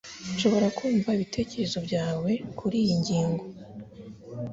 Nshobora kumva ibitekerezo byawe kuriyi ngingo